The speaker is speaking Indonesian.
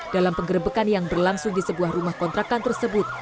dalam penggerbekan yang berlangsung di sebuah rumah kontrakan tersebut